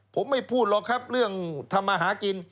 ผมไม่พูดหรอกครับเรื่องทำมาหากิน